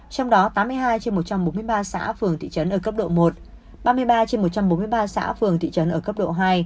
trong đó tám mươi hai trên một trăm bốn mươi ba xã phường thị trấn ở cấp độ một ba mươi ba trên một trăm bốn mươi ba xã phường thị trấn ở cấp độ hai